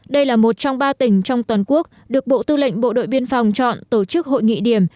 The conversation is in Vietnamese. đây là một trong ba tỉnh trong toàn quốc được bộ tư lệnh bộ đội biên phòng chọn tổ chức hội nghị điểm